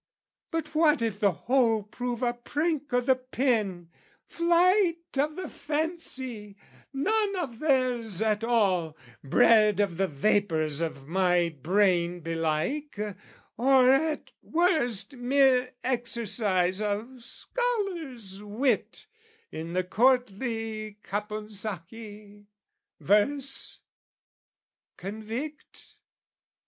But what if the whole prove a prank o' the pen, Flight of the fancy, none of theirs at all, Bred of the vapours of my brain belike, Or at worst mere exercise of scholar's wit In the courtly Caponsacchi: verse, convict?